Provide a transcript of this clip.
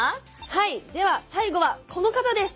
はいでは最後はこの方です。